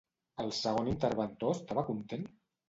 El segon interventor estava content?